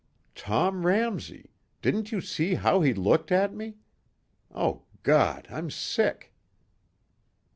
"Tom Ramsey. Didn't you see how he looked at me? Oh, God, I'm sick."